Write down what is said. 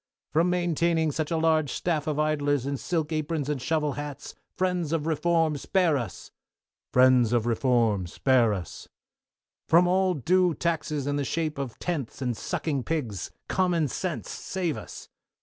From maintaining such a large staff of idlers in silk aprons and shovel hats, Friends of Reform, spare us. Friends of Reform, spare us. From all undue taxes in the shape of tenths and sucking pigs. Common sense, save us.